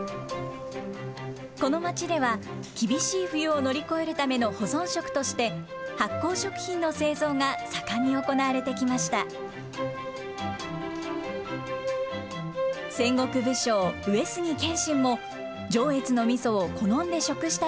この町では、厳しい冬を乗り越えるための保存食として、発酵食品の製造が盛んに行われてきました。